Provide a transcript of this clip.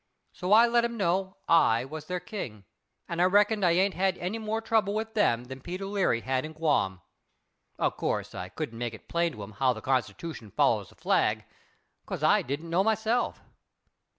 So I let 'em know I was their King, and I reckon I ain't had any more trouble with them than Peter Leary had in Guam. Of course, I couldn't make it plain to 'em how the Constitution follows the flag, 'cos I didn't know myself."